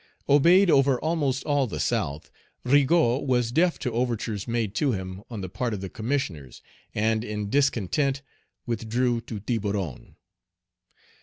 Obeyed over almost all the South, Rigaud was deaf to overtures made to him on the part of the Commissioners, and in discontent withdrew to Tiburon.